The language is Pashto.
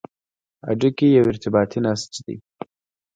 هډوکی یو ارتباطي نسج دی.